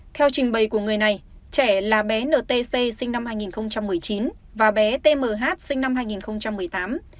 theo trình bày của người này trẻ là bé n t c sinh năm hai nghìn một mươi chín và bé t m h sinh năm hai nghìn một mươi tám